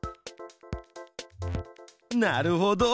なるほど！